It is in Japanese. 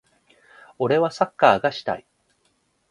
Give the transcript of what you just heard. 俺はサッカーがしたい。